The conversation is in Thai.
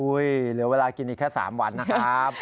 เหลือเวลากินอีกแค่๓วันนะครับ